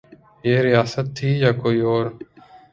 یہ ریاست تھی یا کوئی اور؟